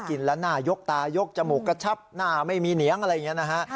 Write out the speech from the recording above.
กินแล้วหน้ายกตายกจมูกกระชับหน้าไม่มีเหนียงอะไรอย่างนี้นะฮะ